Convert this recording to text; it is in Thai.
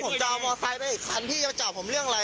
ผมจะเอามอไซค์ไปอีกคันพี่จะมาจับผมเรื่องอะไร